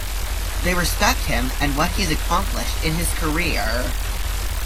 They respect him and what he's accomplished in his career.